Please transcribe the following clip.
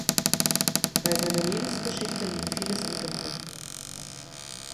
Bei seiner Lebensgeschichte liegt vieles im Dunkeln.